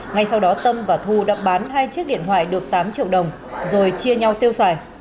ngay sau đó tâm và thu đã bán hai chiếc điện thoại được tám triệu đồng rồi chia nhau tiêu xài